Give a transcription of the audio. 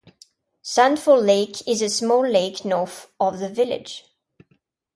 Sanford Lake is a small lake north of the village.